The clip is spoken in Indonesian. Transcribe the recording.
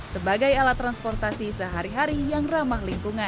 sebagai alat transportasi sehari hari yang ramah lingkungan